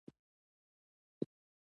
ويل يې چې مړ مې که خو اقرار به ونه کم.